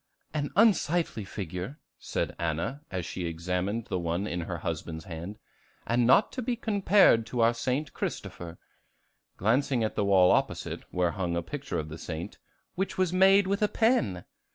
"An unsightly figure," said Anna, as she examined the one in her husband's hand, "and not to be compared to our St. Christopher," glancing at the wall opposite, where hung a picture of the saint, "which was made with a pen!"